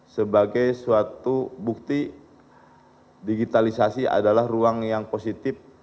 sebagai suatu bukti digitalisasi adalah ruang yang positif